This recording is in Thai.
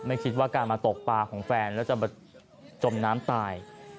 คิดว่าการมาตกปลาของแฟนแล้วจะมาจมน้ำตาย